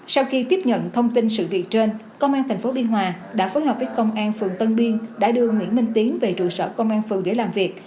sau khi tiếp nhận thông tin sự việc trên công an tp biên hòa đã phối hợp với công an phường tân biên đã đưa nguyễn minh tiến về trụ sở công an phường để làm việc